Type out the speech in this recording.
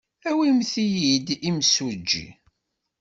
Awimt-iyi-d imsujji.